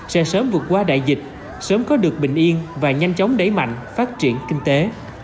sẽ sớm vượt qua đại dịch sớm có được bình yên và nhanh chóng đẩy mạnh phát triển kinh tế